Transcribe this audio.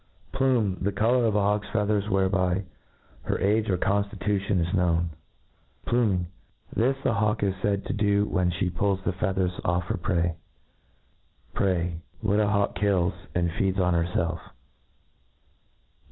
Plume ; the colour of a hawk's feathers whereby, her age or conftitution is known. \ Pluming ; A GLOSSARY. 2^5 Pluming ; this a hawk is faid to do when flie ' pulls the feathers oflF h«r prey Prey; what a hawk kills, and feeds on herfelf.